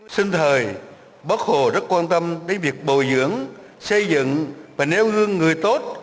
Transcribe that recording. sinh thời bác hồ rất quan tâm đến việc bồi dưỡng xây dựng và nêu gương người tốt